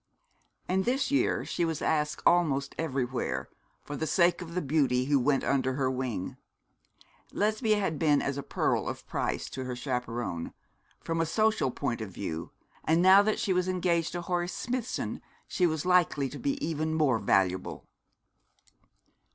And this year she was asked almost everywhere, for the sake of the beauty who went under her wing. Lesbia had been as a pearl of price to her chaperon, from a social point of view; and now that she was engaged to Horace Smithson she was likely to be even more valuable.